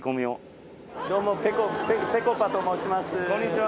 こんにちは。